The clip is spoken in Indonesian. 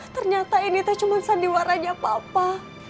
ternyata ini teh cuma sandiwaranya papa